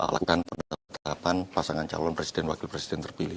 lakukan penetapan pasangan calon presiden dan wakil presiden terpilih